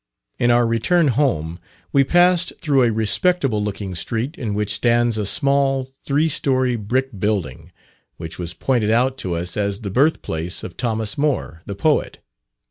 In our return home, we passed through a respectable looking street, in which stands a small three storey brick building, which was pointed out to us as the birth place of Thomas Moore, the poet.